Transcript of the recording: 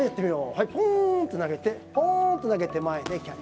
はいポンって投げてポンと投げて前でキャッチ。